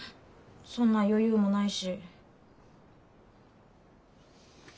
そんな余裕もないし。